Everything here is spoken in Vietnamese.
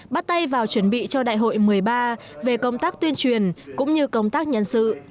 bắt tay vào chuẩn bị cho đại hội một mươi ba về công tác tuyên truyền cũng như công tác nhân sự